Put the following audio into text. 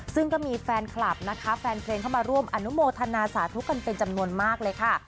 ซึ่งก็มีแฟนคลับนะคะแฟนเพลงเข้ามาร่วมอนุโมทนาสาธุกันเป็นจำนวนมากเลยค่ะ